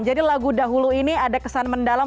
jadi lagu dahulu ini ada kesan mendalam